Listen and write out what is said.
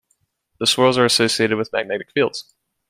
The swirls are associated with magnetic fields.